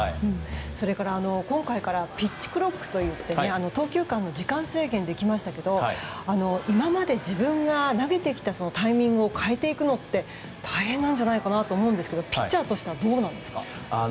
それから今回からピッチクロックといって投球間の時間制限ができましたけど今まで自分が投げてきたタイミングを変えていくのって大変なんじゃないかなと思うんですけどピッチャーとしてはどうですか？